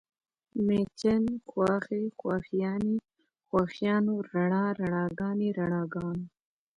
مېچن، خواښې، خواښیانې، خواښیانو، رڼا، رڼاګانې، رڼاګانو